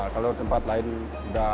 kalau tempat lain juga